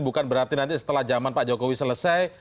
bukan berarti nanti setelah zaman pak jokowi selesai